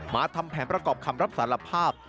ทำแผนประกอบคำรับสารภาพ